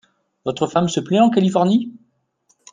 Votre femme se plait en Californie ?